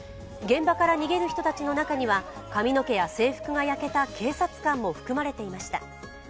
現場から逃げる人たちの中には髪の毛や制服が焼けた警察官も含まれていました。